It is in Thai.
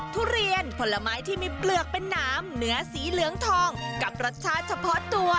ทุเรียนผลไม้ที่มีเปลือกเป็นหนามเนื้อสีเหลืองทองกับรสชาติเฉพาะตัว